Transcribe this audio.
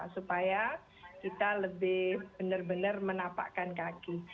supaya kita lebih benar benar menapakkan kaki